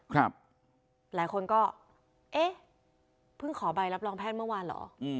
หลายคนก็เอ๊ะเพิ่งขอใบรับรองแพทย์เมื่อวานเหรอ